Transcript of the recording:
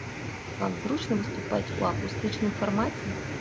Вам зручна выступаць у акустычным фармаце?